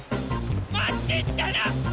まってったら！